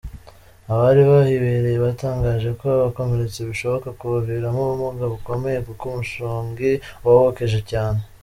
Abari bahibereye batangaje ko abakomeretse bishoboka kubaviramo ubumuga bukomeye , kuko umushongi wabokeje cyane.